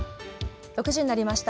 ６時になりました。